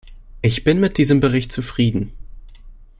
Ich bin mit diesem Bericht zufrieden.